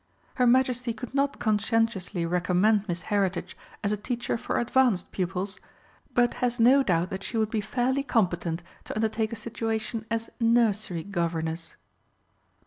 Her Majesty could not conscientiously recommend Miss Heritage as a teacher for advanced pupils, but has no doubt that she would be fairly competent to undertake a situation as Nursery Governess."